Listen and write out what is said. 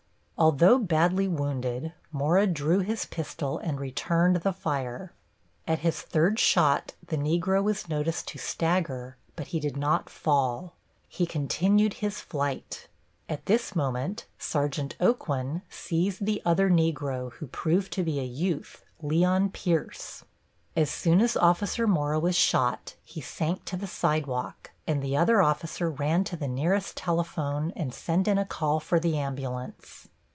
Although badly wounded, Mora drew his pistol and returned the fire. At his third shot the Negro was noticed to stagger, but he did not fall. He continued his flight. At this moment Sergeant Aucoin seized the other Negro, who proved to be a youth, Leon Pierce. As soon as Officer Mora was shot he sank to the sidewalk, and the other officer ran to the nearest telephone, and sent in a call for the ambulance.